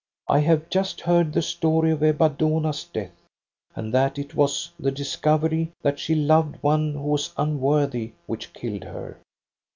I have just heard the story of Ebba Dohna's death, and that it was the discovery that she loved one who was unworthy which killed her.